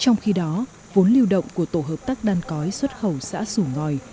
trong khi đó vốn lưu động của tổ hợp tác đan cói xuất khẩu xã sủ ngòi